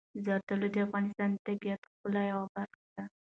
زردالو د افغانستان د طبیعت د ښکلا یوه برخه ده.